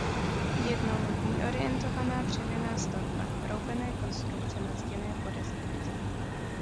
Jednolodní orientovaná dřevěná stavba roubené konstrukce na zděné podezdívce.